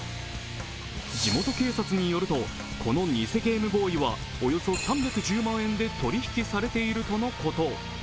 地元警察によると、この偽ゲームボーイはおよそ３１０万円で取り引きされているとのこと。